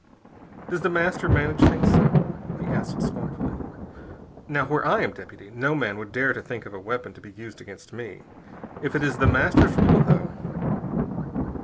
"Does The Master manage things so?" he asked scornfully. "Now, where I am deputy no man would dare to think of a weapon to be used against me! If it is The Master's rule, though...."